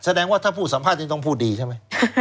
แสดงว่าถ้าพูดสัมภาษณ์นี้ต้องพูดดีใช่ไหม